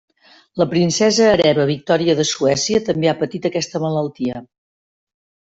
La princesa hereva Victòria de Suècia també ha patit aquesta malaltia.